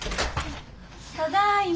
ただいま。